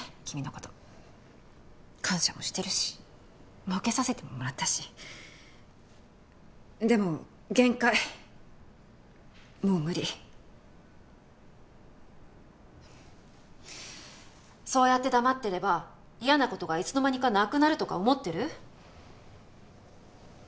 君のこと感謝もしてるしもうけさせてももらったしでも限界もう無理そうやって黙ってれば嫌なことがいつの間にかなくなるとか思ってる？